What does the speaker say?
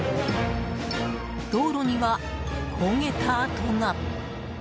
道路には焦げた跡が。